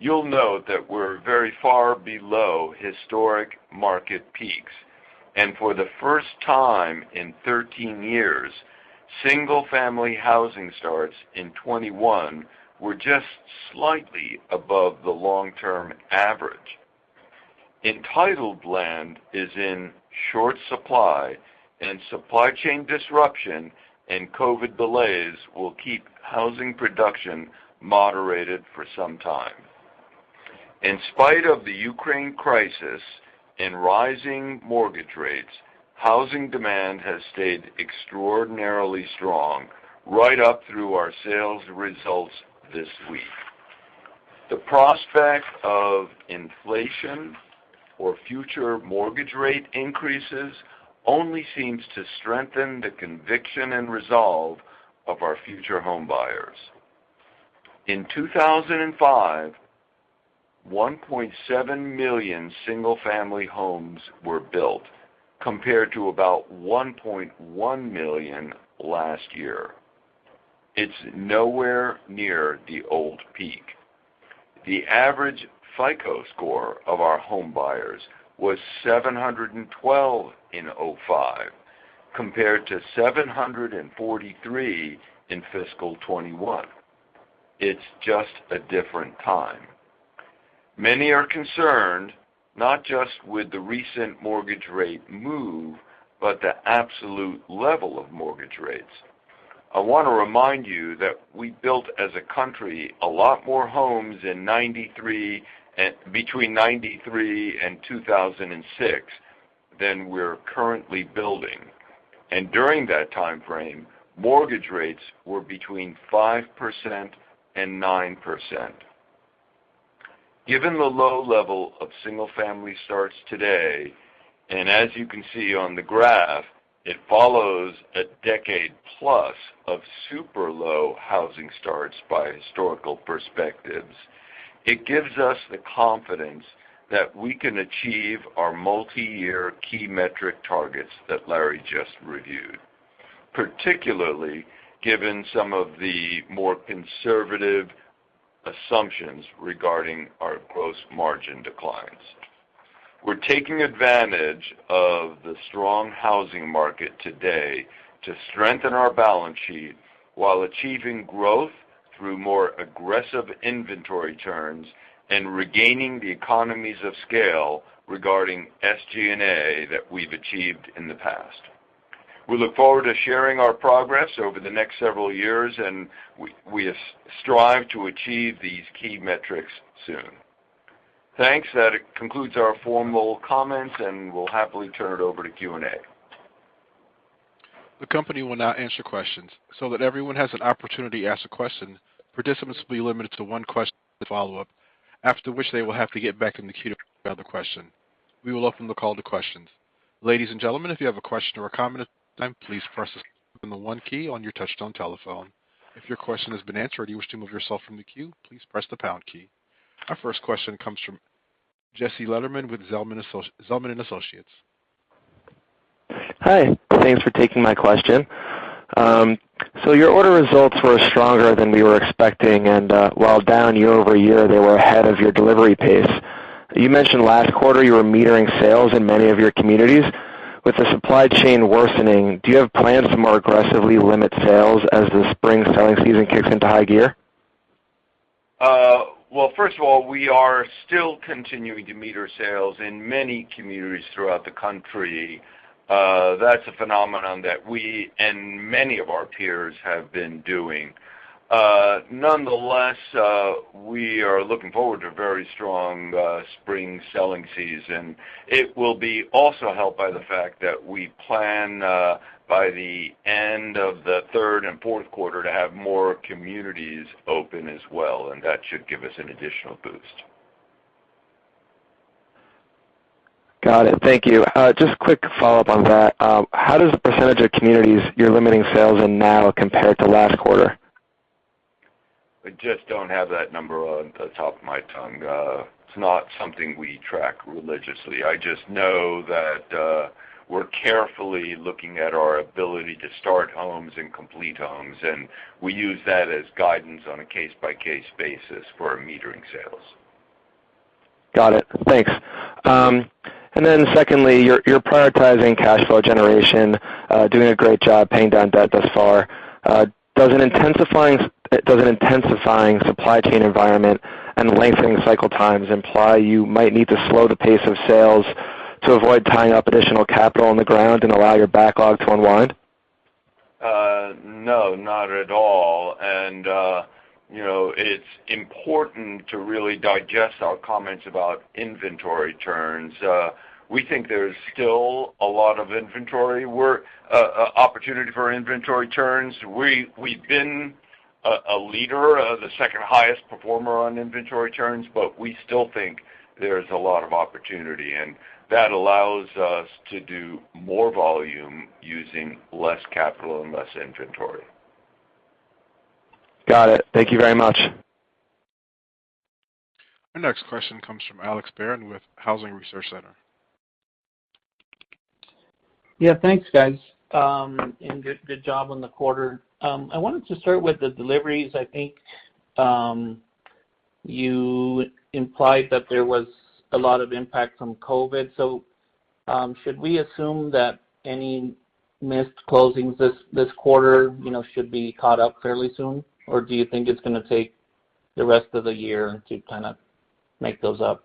you'll note that we're very far below historic market peaks. For the first time in 13 years, single-family housing starts in 2021 were just slightly above the long-term average. Entitled land is in short supply, and supply chain disruption and COVID delays will keep housing production moderated for some time. In spite of the Ukraine crisis and rising mortgage rates, housing demand has stayed extraordinarily strong right up through our sales results this week. The prospect of inflation or future mortgage rate increases only seems to strengthen the conviction and resolve of our future home buyers. In 2005, 1.7 million single-family homes were built, compared to about 1.1 million last year. It's nowhere near the old peak. The average FICO score of our home buyers was 712 in 2005, compared to 743 in fiscal 2021. It's just a different time. Many are concerned, not just with the recent mortgage rate move, but the absolute level of mortgage rates. I wanna remind you that we built as a country a lot more homes in 1993, between 1993 and 2006 than we're currently building. During that timeframe, mortgage rates were between 5% and 9%. Given the low level of single-family starts today, and as you can see on the graph, it follows a decade plus of super low housing starts by historical perspectives. It gives us the confidence that we can achieve our multiyear key metric targets that Larry just reviewed, particularly given some of the more conservative assumptions regarding our gross margin declines. We're taking advantage of the strong housing market today to strengthen our balance sheet while achieving growth through more aggressive inventory turns and regaining the economies of scale regarding SG&A that we've achieved in the past. We look forward to sharing our progress over the next several years, and we strive to achieve these key metrics soon. Thanks. That concludes our formal comments, and we'll happily turn it over to Q&A. The company will now answer questions. That everyone has an opportunity to ask a question, participants will be limited to one question to follow up, after which they will have to get back in the queue to ask another question. We will open the call to questions. Ladies and gentlemen, if you have a question or a comment at this time, please press the one key on your touchtone telephone. If your question has been answered and you wish to move yourself from the queue, please press the pound key. Our first question comes from Jesse Lederman with Zelman & Associates. Hi. Thanks for taking my question. Your order results were stronger than we were expecting, and while down year-over-year, they were ahead of your delivery pace. You mentioned last quarter you were metering sales in many of your communities. With the supply chain worsening, do you have plans to more aggressively limit sales as the spring selling season kicks into high gear? Well, first of all, we are still continuing to meter sales in many communities throughout the country. That's a phenomenon that we and many of our peers have been doing. Nonetheless, we are looking forward to a very strong spring selling season. It will be also helped by the fact that we plan, by the end of the third and fourth quarter to have more communities open as well, and that should give us an additional boost. Got it. Thank you. Just quick follow-up on that. How does the percentage of communities you're limiting sales in now compare to last quarter? I just don't have that number on the top of my tongue. It's not something we track religiously. I just know that we're carefully looking at our ability to start homes and complete homes, and we use that as guidance on a case-by-case basis for our metering sales. Got it. Thanks. Secondly, you're prioritizing cash flow generation, doing a great job paying down debt thus far. Does an intensifying supply chain environment and lengthening cycle times imply you might need to slow the pace of sales to avoid tying up additional capital on the ground and allow your backlog to unwind? No, not at all. You know, it's important to really digest our comments about inventory turns. We think there's still a lot of opportunity for inventory turns. We've been a leader, the second highest performer on inventory turns, but we still think there's a lot of opportunity, and that allows us to do more volume using less capital and less inventory. Got it. Thank you very much. Our next question comes from Alex Barron with Housing Research Center. Yeah. Thanks, guys. Good job on the quarter. I wanted to start with the deliveries. I think you implied that there was a lot of impact from COVID. Should we assume that any missed closings this quarter, you know, should be caught up fairly soon? Or do you think it's gonna take the rest of the year to kind of make those up?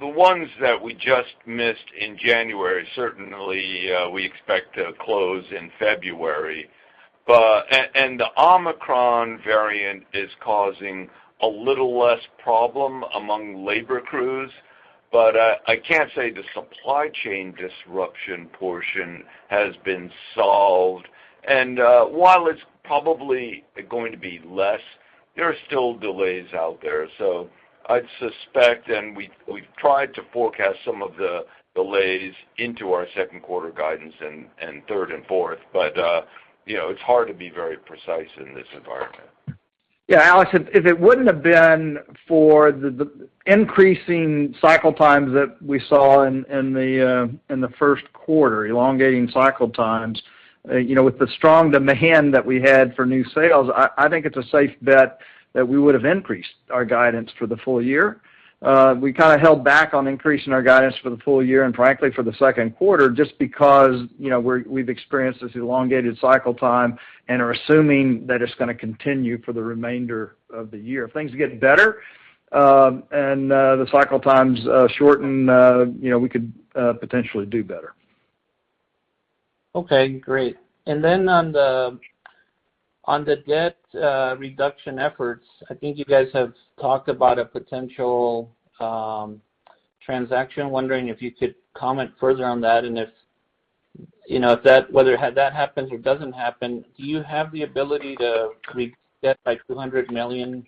The ones that we just missed in January, certainly, we expect to close in February. and the Omicron variant is causing a little less problem among labor crews. I can't say the supply chain disruption portion has been solved. while it's probably going to be less, there are still delays out there. I'd suspect, and we've tried to forecast some of the delays into our second quarter guidance and third and fourth. you know, it's hard to be very precise in this environment. Yeah, Alex, if it wouldn't have been for the increasing cycle times that we saw in the first quarter, elongating cycle times, you know, with the strong demand that we had for new sales, I think it's a safe bet that we would have increased our guidance for the full year. We kind of held back on increasing our guidance for the full year and frankly for the second quarter, just because, you know, we've experienced this elongated cycle time and are assuming that it's gonna continue for the remainder of the year. If things get better, and the cycle times shorten, you know, we could potentially do better. Okay, great. Then on the debt reduction efforts, I think you guys have talked about a potential transaction. Wondering if you could comment further on that and if, you know, if that whether that happens or doesn't happen, do you have the ability to reduce debt by $200 million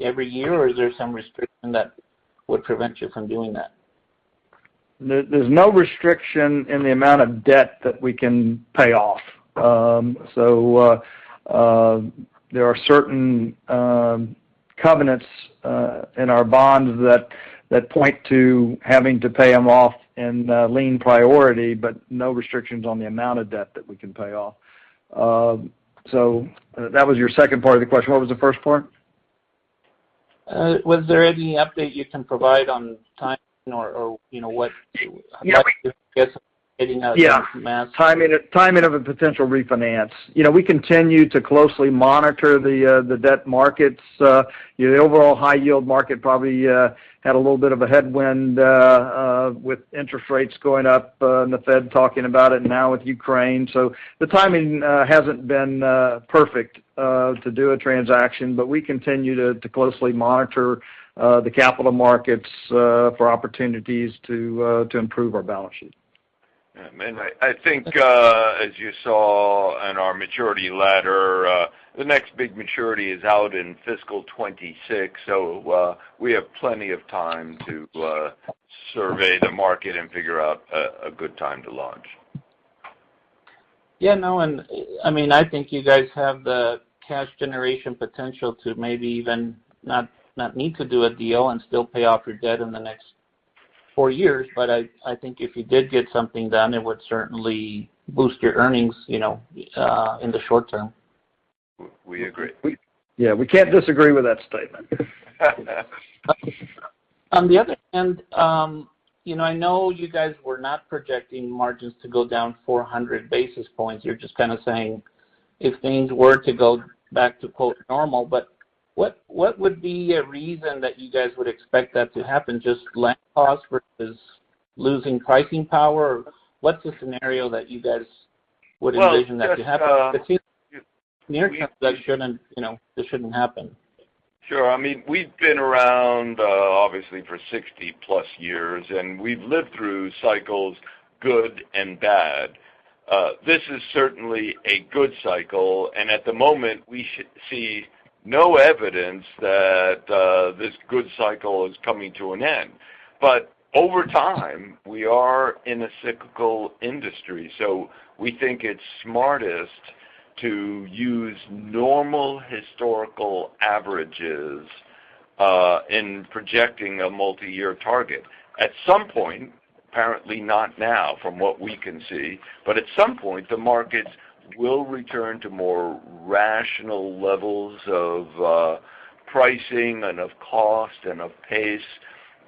every year, or is there some restriction that would prevent you from doing that? There's no restriction in the amount of debt that we can pay off. There are certain covenants in our bonds that point to having to pay them off in a lien priority, but no restrictions on the amount of debt that we can pay off. That was your second part of the question. What was the first part? Was there any update you can provide on timing or, you know, what? Yeah. getting out Yeah. Timing of a potential refinance. You know, we continue to closely monitor the debt markets. You know, the overall high yield market probably with interest rates going up and the Fed talking about it now with Ukraine. So the timing hasn't been perfect to do a transaction, but we continue to closely monitor the capital markets for opportunities to improve our balance sheet. Yeah. I think, as you saw on our maturity ladder, the next big maturity is out in fiscal 2026, so we have plenty of time to survey the market and figure out a good time to launch. Yeah, no. I mean, I think you guys have the cash generation potential to maybe even not need to do a deal and still pay off your debt in the next four years. I think if you did get something done, it would certainly boost your earnings, you know, in the short term. We agree. Yeah, we can't disagree with that statement. On the other hand, you know, I know you guys were not projecting margins to go down 400 basis points. You're just kind of saying if things were to go back to, quote, normal, but what would be a reason that you guys would expect that to happen? Just land costs versus losing pricing power? What's the scenario that you guys would envision that to happen? Well, just. It seems near term that shouldn't, you know, this shouldn't happen. Sure. I mean, we've been around, obviously for 60+ years, and we've lived through cycles, good and bad. This is certainly a good cycle, and at the moment, we see no evidence that this good cycle is coming to an end. But over time, we are in a cyclical industry, so we think it's smartest to use normal historical averages in projecting a multiyear target. At some point, apparently not now, from what we can see, but at some point, the markets will return to more rational levels of pricing and of cost and of pace,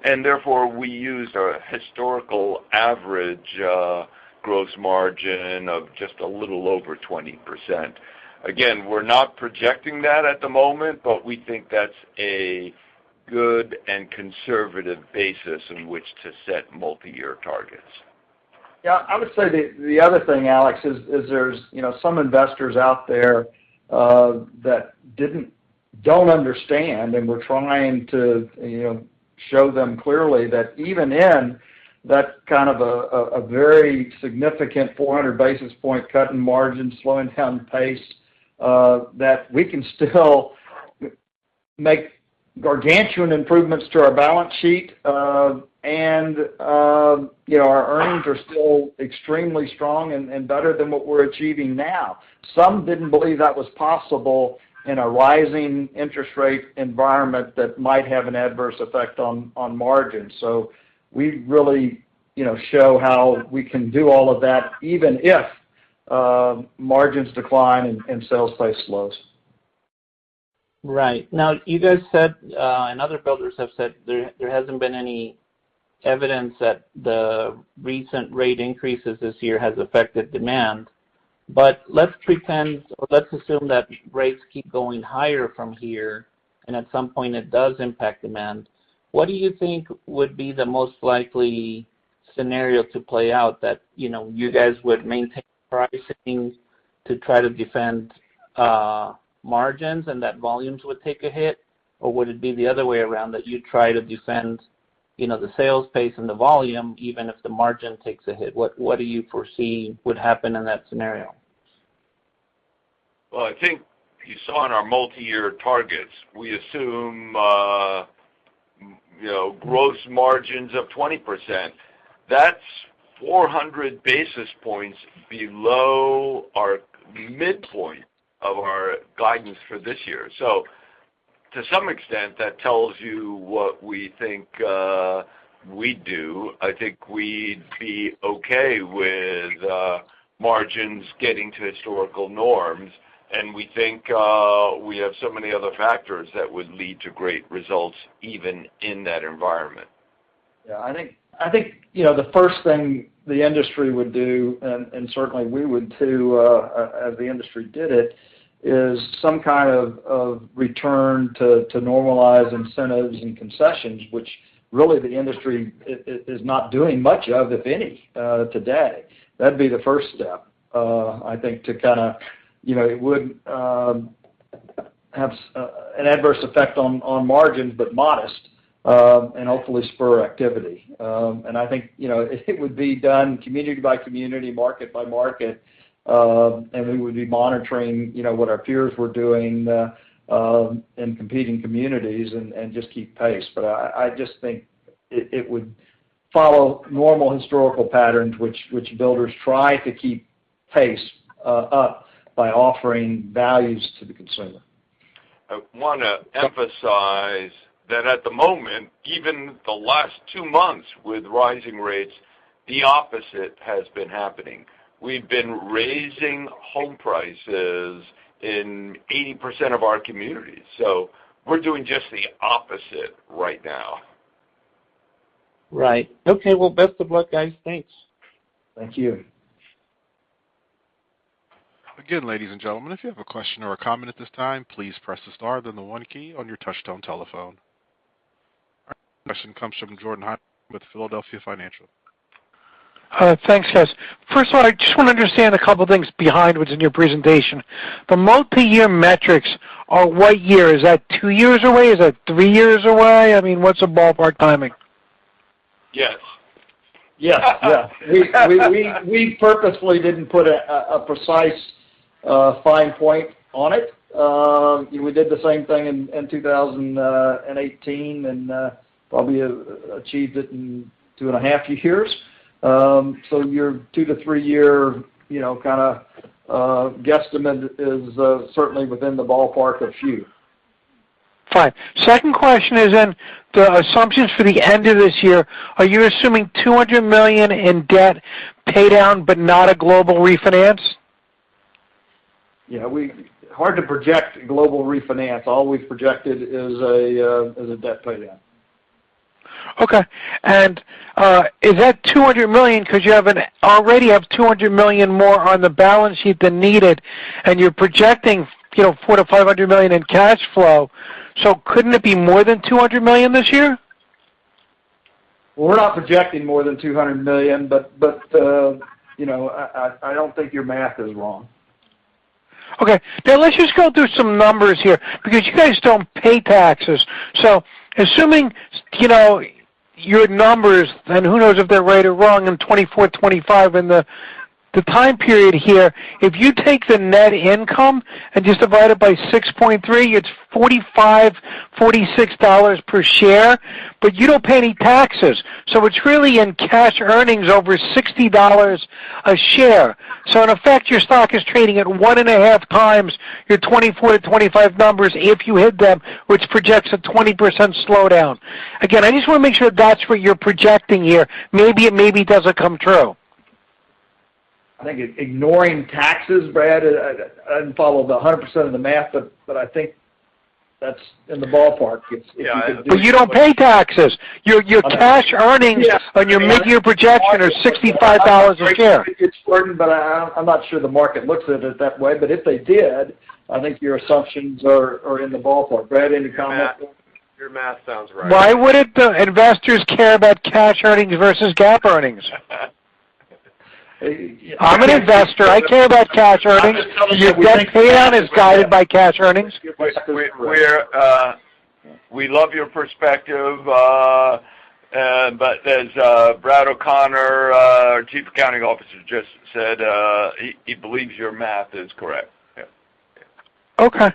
and therefore, we use our historical average gross margin of just a little over 20%. Again, we're not projecting that at the moment, but we think that's a good and conservative basis in which to set multi-year targets. Yeah. I would say the other thing, Alex, is there's you know some investors out there that don't understand, and we're trying to you know show them clearly that even in that kind of a very significant 400 basis points cut in margin, slowing down the pace, that we can still make gargantuan improvements to our balance sheet. You know, our earnings are still extremely strong and better than what we're achieving now. Some didn't believe that was possible in a rising interest rate environment that might have an adverse effect on margins. We really you know show how we can do all of that even if margins decline and sales price slows. Right. Now, you guys said, and other builders have said there hasn't been any evidence that the recent rate increases this year has affected demand. Let's pretend or let's assume that rates keep going higher from here, and at some point, it does impact demand. What do you think would be the most likely scenario to play out that, you know, you guys would maintain pricing to try to defend margins and that volumes would take a hit? Or would it be the other way around that you try to defend, you know, the sales pace and the volume even if the margin takes a hit? What do you foresee would happen in that scenario? Well, I think you saw in our multi-year targets, we assume, you know, gross margins of 20%. That's 400 basis points below our midpoint of our guidance for this year. To some extent, that tells you what we think, we'd do. I think we'd be okay with, margins getting to historical norms, and we think, we have so many other factors that would lead to great results even in that environment. Yeah. I think you know the first thing the industry would do, and certainly we would too, as the industry did it, is some kind of return to normalize incentives and concessions, which really the industry is not doing much of, if any, today. That'd be the first step, I think to kinda you know it would have an adverse effect on margins, but modest, and hopefully spur activity. I think you know it would be done community by community, market by market, and we would be monitoring you know what our peers were doing in competing communities and just keep pace. I just think it would follow normal historical patterns, which builders try to keep pace up by offering values to the consumer. I wanna emphasize that at the moment, even the last two months with rising rates, the opposite has been happening. We've been raising home prices in 80% of our communities. We're doing just the opposite right now. Right. Okay. Well, best of luck, guys. Thanks. Thank you. Again, ladies and gentlemen, if you have a question or a comment at this time, please press the star, then the one key on your touchtone telephone. Our next question comes from Jordan Hymowitz with Philadelphia Financial. Thanks, guys. First of all, I just wanna understand a couple things behind what's in your presentation. The multi-year metrics are what year? Is that two years away? Is that three years away? I mean, what's a ballpark timing? Yes. Yes. Yeah. We purposefully didn't put a precise fine point on it. We did the same thing in 2018 and probably achieved it in two and a half years. Your 2-3-year, you know, kinda guesstimate is certainly within the ballpark or few. Fine. Second question is in the assumptions for the end of this year. Are you assuming $200 million in debt pay down but not a global refinance? Yeah. Hard to project global refinance. All we've projected is a debt pay down. Okay. Is that $200 million because you already have $200 million more on the balance sheet than needed, and you're projecting, you know, $400 million-$500 million in cash flow? Couldn't it be more than $200 million this year? We're not projecting more than $200 million. You know, I don't think your math is wrong. Okay. Let's just go through some numbers here because you guys don't pay taxes. Assuming, you know, your numbers, and who knows if they're right or wrong, in 2024, 2025 in the time period here, if you take the net income and just divide it by 6.3, it's $45-$46 per share, but you don't pay any taxes. It's really in cash earnings over $60 a share. In effect, your stock is trading at 1.5 times your 2024 to 2025 numbers if you hit them, which projects a 20% slowdown. Again, I just wanna make sure that's what you're projecting here. Maybe it doesn't come true. I think ignoring taxes, Brad, I didn't follow 100% of the math, but I think that's in the ballpark if you could do it. You don't pay taxes. Your cash earnings- Yeah. On your mid-year projection are $65 a share. I'm not sure the market looks at it that way, but if they did, I think your assumptions are in the ballpark. Brad, any comment? Your math sounds right. Why wouldn't the investors care about cash earnings versus GAAP earnings? I'm an investor. I care about cash earnings. I'm just telling you that we think. Your debt pay down is guided by cash earnings. Your math is correct. We love your perspective, but as Brad O'Connor, our Chief Accounting Officer, just said, he believes your math is correct. Yeah. Yeah. Okay.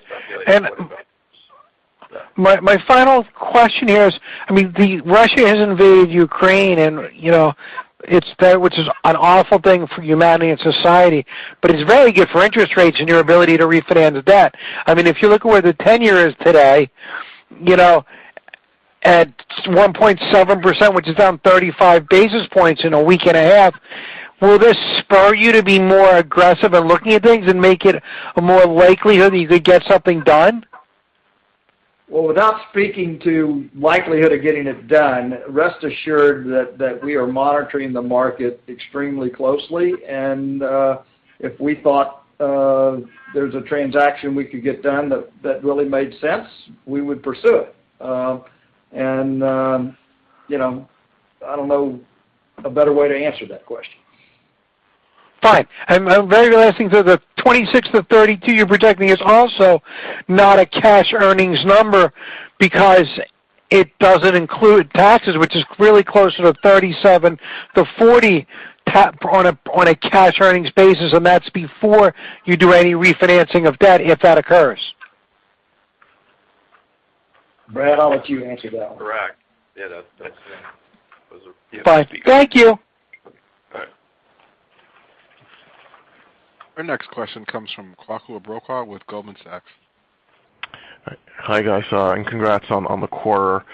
My final question here is, I mean, Russia has invaded Ukraine and, you know, it's there, which is an awful thing for humanity and society, but it's very good for interest rates and your ability to refinance debt. I mean, if you look at where the ten-year is today, you know, at 1.7%, which is down 35 basis points in a week and a half, will this spur you to be more aggressive in looking at things and make it more likely that you could get something done? Well, without speaking to likelihood of getting it done, rest assured that we are monitoring the market extremely closely. If we thought there's a transaction we could get done that really made sense, we would pursue it. You know, I don't know a better way to answer that question. Fine. Very last thing. The 26-32 you're projecting is also not a cash earnings number because it doesn't include taxes, which is really closer to $37-$40 on a cash earnings basis, and that's before you do any refinancing of debt, if that occurs. Brad, I'll let you answer that one. Correct. Yeah, that's, yeah. Those are Fine. Thank you. All right. Our next question comes from Kwaku Abrokwah with Goldman Sachs. Hi, guys, and congrats on the quarter.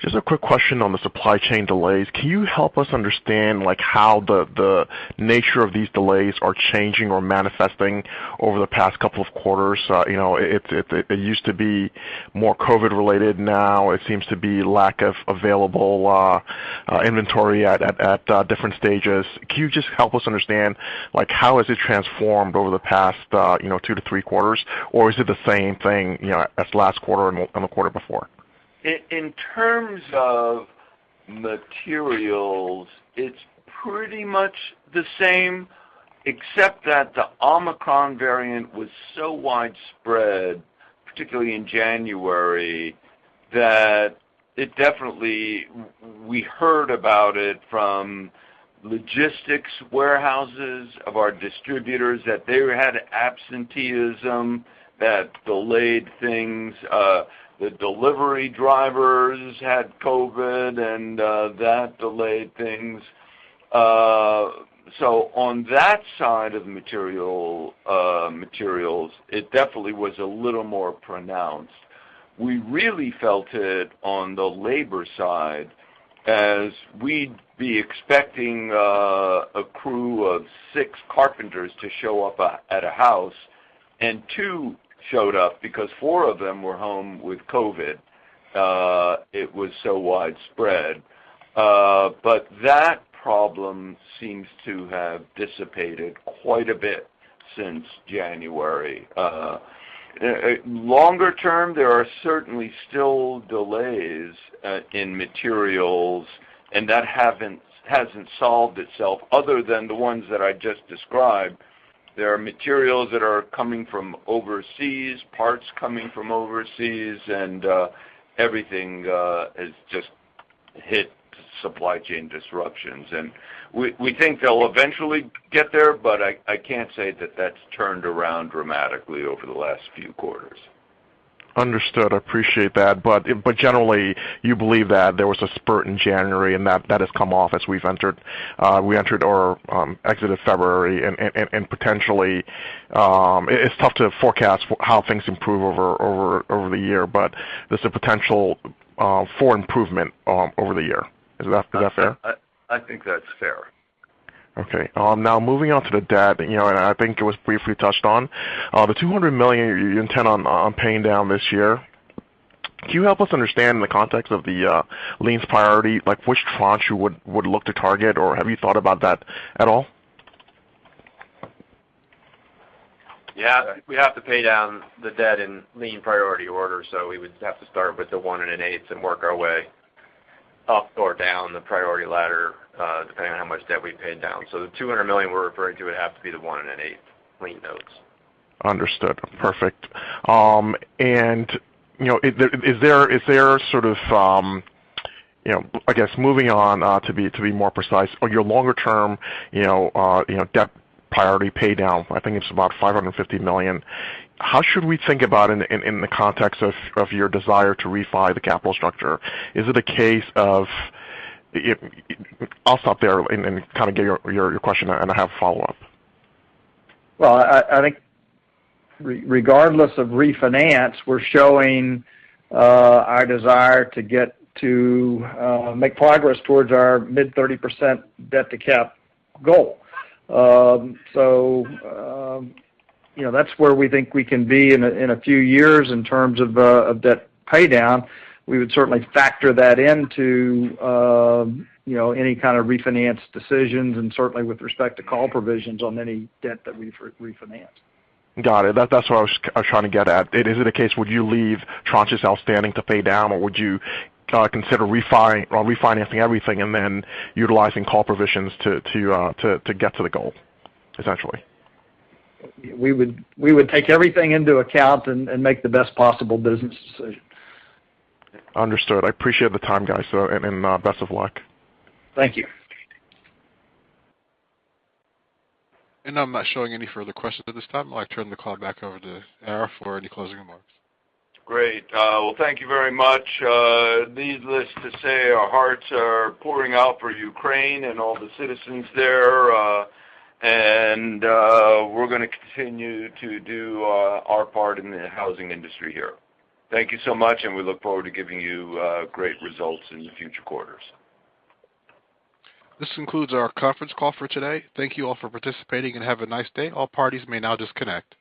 Just a quick question on the supply chain delays. Can you help us understand how the nature of these delays are changing or manifesting over the past couple of quarters? It used to be more COVID related. Now it seems to be lack of available inventory at different stages. Can you just help us understand how has it transformed over the past 2-3 quarters? Or is it the same thing as last quarter and the quarter before? In terms of materials, it's pretty much the same, except that the Omicron variant was so widespread, particularly in January, that it definitely. We heard about it from logistics warehouses of our distributors that they had absenteeism that delayed things. The delivery drivers had COVID, and that delayed things. So on that side of material, materials, it definitely was a little more pronounced. We really felt it on the labor side as we'd be expecting a crew of six carpenters to show up at a house and two showed up because four of them were home with COVID, it was so widespread. That problem seems to have dissipated quite a bit since January. Longer term, there are certainly still delays in materials, and that hasn't solved itself other than the ones that I just described. There are materials that are coming from overseas, parts coming from overseas, and everything has just hit supply chain disruptions. We think they'll eventually get there, but I can't say that that's turned around dramatically over the last few quarters. Understood. I appreciate that. Generally, you believe that there was a spurt in January and that has come off as we've exited February and potentially it's tough to forecast how things improve over the year, but there's a potential for improvement over the year. Is that fair? I think that's fair. Okay. Now moving on to the debt, you know, and I think it was briefly touched on. The $200 million you intend on paying down this year, can you help us understand in the context of the lien's priority, like which tranche you would look to target or have you thought about that at all? Yeah. We have to pay down the debt in lien priority order, so we would have to start with the 1.125 and work our way up or down the priority ladder, depending on how much debt we paid down. The $200 million we're referring to would have to be the 1.125 Lien Notes. Understood. Perfect. You know, is there sort of, you know, I guess, moving on, to be more precise, on your longer term, you know, you know, debt priority pay down, I think it's about $550 million. How should we think about in the context of your desire to refi the capital structure? Is it a case of. I'll stop there and kind of get your question and I have follow-up. Well, I think regardless of refinance, we're showing our desire to get to make progress towards our mid-30% debt-to-cap goal. You know, that's where we think we can be in a few years in terms of of debt pay down. We would certainly factor that into any kind of refinance decisions and certainly with respect to call provisions on any debt that we refinance. Got it. That's what I was trying to get at. Is it a case would you leave tranches outstanding to pay down, or would you consider refinancing everything and then utilizing call provisions to get to the goal, essentially? We would take everything into account and make the best possible business decision. Understood. I appreciate the time, guys. Best of luck. Thank you. I'm not showing any further questions at this time. I'll turn the call back over to Ara for any closing remarks. Great. Well, thank you very much. Needless to say, our hearts are pouring out for Ukraine and all the citizens there, and we're gonna continue to do our part in the housing industry here. Thank you so much, and we look forward to giving you great results in the future quarters. This concludes our conference call for today. Thank you all for participating and have a nice day. All parties may now disconnect.